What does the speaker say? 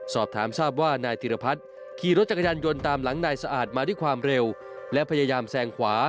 สอบถามทราบว่านายธีรพัฒน์ขี่รถจักรยานยนต์ตามหลังนายสะอาดมาด้วยความเร็ว